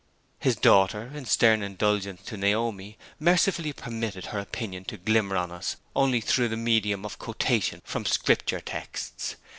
His daughter, in stern indulgence to Naomi, mercifully permitted her opinion to glimmer on us only through the medium of quotation from Scripture texts.